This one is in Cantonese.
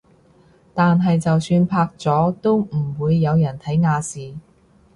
但係就算拍咗都唔會有人睇亞視